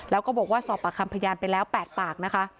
แล้วก็บอกว่าสอบปากคำพยานไปแล้ว๘ปากนะคะ